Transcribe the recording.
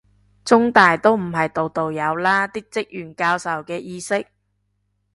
中大都唔係度度有啦，啲職員教授嘅意識